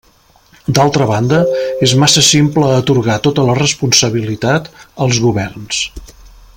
D'altra banda, és massa simple atorgar tota la responsabilitat als governs.